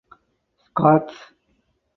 Scots.